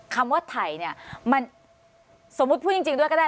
คำว่าถ่ายสมมติพูดจริงด้วยก็ได้